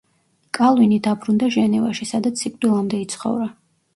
კალვინი დაბრუნდა ჟენევაში, სადაც სიკვდილამდე იცხოვრა.